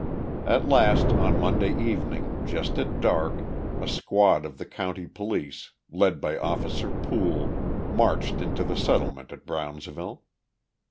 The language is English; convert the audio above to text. At last, on Monday evening, just at dark, a squad of the county police, led by Officer Poole, marched into the settlement at Brownsville.